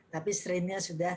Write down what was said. tapi strain nya sudah